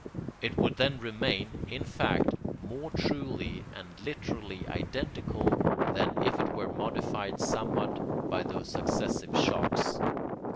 It would then remain, in fact, more truly and literally identical than if it were modified somewhat by those successive shocks.